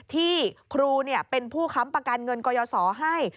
ที่ครูเป็นผู้ค้ำประกันเงินกยศให้